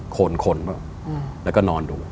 คนแล้วก็นอนดู